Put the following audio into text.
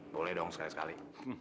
boleh dong sekali sekali